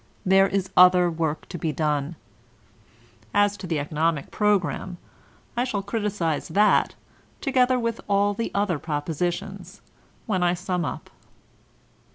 There is other work to be done. As to the economic program, I shall criticise that, together with all the other propositions, when I sum up.